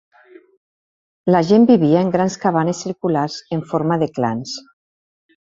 La gent vivia en grans cabanes circulars en forma de clans.